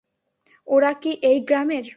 ওরা কি এই গ্রামের?